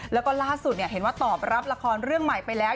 แล้วก็ล่าสุดเห็นว่าตอบรับละครเรื่องใหม่ไปแล้ว